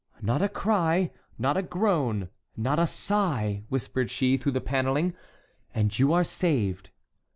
"Not a cry, not a groan, not a sigh," whispered she, through the panelling, "and you are saved."